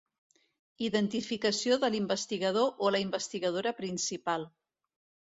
Identificació de l'investigador o la investigadora principal.